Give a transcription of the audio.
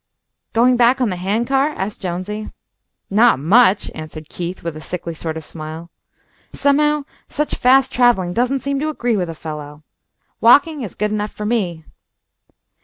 "Goin' back on the hand car?" asked Jonesy. "Not much," answered Keith, with a sickly sort of smile. "Somehow such fast travelling doesn't seem to agree with a fellow. Walking is good enough for me."